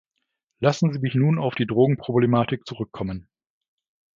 Lassen Sie mich nun auf die Drogenproblematik zurückkommen.